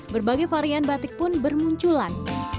berbagai varian batik pun bermunculan